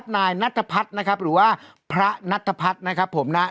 นายนัทพัฒน์นะครับหรือว่าพระนัทพัฒน์นะครับผมนะ